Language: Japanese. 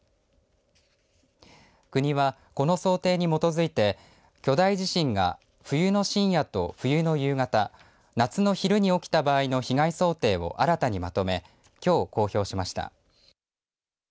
国はこの想定に基づいて巨大地震が冬の深夜と冬の夕方夏の昼に起きた場合の被害想定を新たにまとめきょう公表しました。